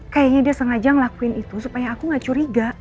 kayaknya dia sengaja ngelakuin itu supaya aku gak curiga